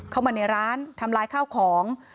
เข้ามาในร้านทำลายข้าวของ